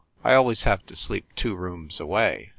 I always have to sleep two rooms away.